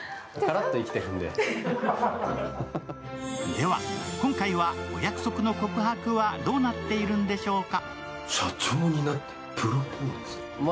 では、今回はお約束の告白はどうなっているんでしょうか？